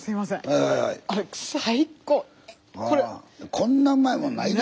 こんなうまいもんないで。